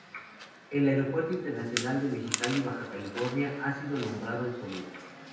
El Aeropuerto Internacional de Mexicali, Baja California, ha sido nombrado en su honor.